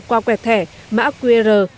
qua quẹt thẻ mã qr